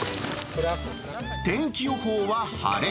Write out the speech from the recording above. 天気予報は晴れ。